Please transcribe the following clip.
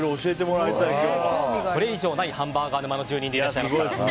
これ以上ないハンバーガー沼の住人でいらっしゃいます。